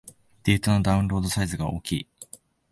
データのダウンロードサイズが大きい